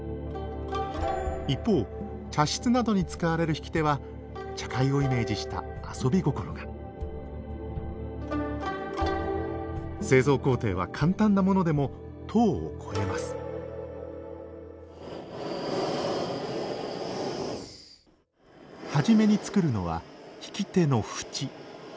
一方茶室などに使われる引き手は茶会をイメージした遊び心が製造工程は簡単なものでも１０を超えます初めに作るのは引き手の縁。